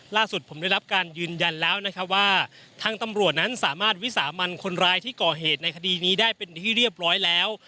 ล่าสุดผมได้รับการยืนยันแล้วนะครับว่าทางตำรวจนั้นสามารถวิสามันคนร้ายที่ก่อเหตุในคดีนี้ได้เป็นที่เรียบร้อยแล้ว